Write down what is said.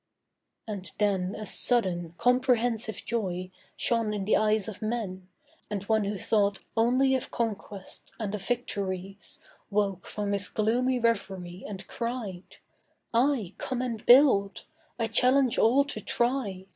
And then a sudden, comprehensive joy Shone in the eyes of men; and one who thought Only of conquests and of victories Woke from his gloomy reverie and cried, 'Ay, come and build! I challenge all to try.